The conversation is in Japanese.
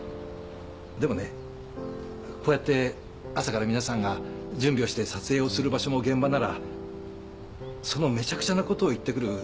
でもねこうやって朝から皆さんが準備をして撮影をする場所も現場ならそのめちゃくちゃなことを言ってくる。